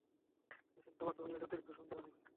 মিশেল, তোমাকে অলরেডি অতিরিক্ত সময় দেওয়া হয়েছে।